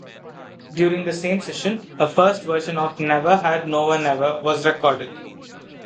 During the same session, a first version of "Never Had No-one Ever" was recorded.